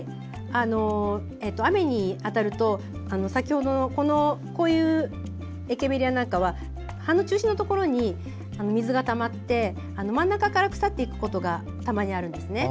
雨に当たると先ほどのエケベリアなんかは葉の中心のところに水がたまって真ん中から腐っていくことがたまにあるんですね。